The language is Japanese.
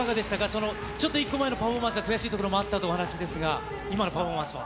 その、ちょっと１個前のパフォーマンスは、悔しいところもあったというお話でしたが、今のパフォーマンスは。